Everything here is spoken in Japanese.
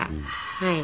はい。